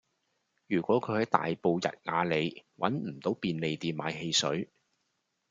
如果佢喺大埔逸雅里搵唔到便利店買汽水